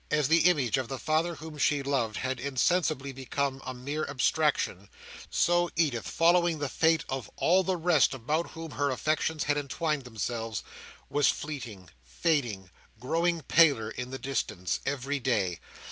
As the image of the father whom she loved had insensibly become a mere abstraction, so Edith, following the fate of all the rest about whom her affections had entwined themselves, was fleeting, fading, growing paler in the distance, every day.